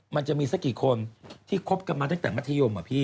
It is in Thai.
มันจะมีสักกี่คนที่คบกันมาตั้งแต่มัธยมอะพี่